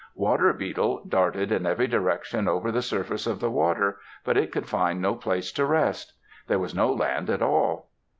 Water Beetle darted in every direction over the surface of the water, but it could find no place to rest. There was no land at all.